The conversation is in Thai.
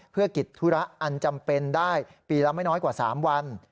เพื่อกิจธุระอันจำเป็นได้ปีละไม่น้อยกว่า๓วัน